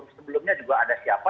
sebelumnya juga ada siapa